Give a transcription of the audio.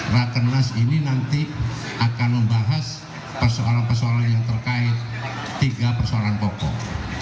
rakernas ini nanti akan membahas persoalan persoalan yang terkait tiga persoalan pokok